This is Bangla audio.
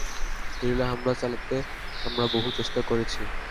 গেরিলা হামলা চালাতে আমরা বহু চেষ্টা করেছি।